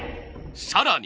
さらに。